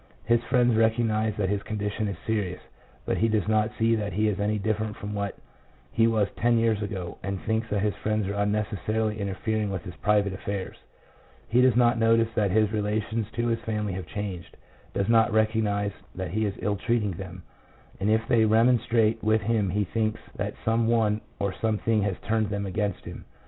His friends recog nize that his condition is serious, but he does not see that he is any different from what he was ten years ago, and thinks that his friends are unnecessarily interfering with his private affairs. He does not notice that his relations to his family have changed, does not recognize that he is ill treating them, and if they remonstrate with him he thinks that some one or something has turned them against him.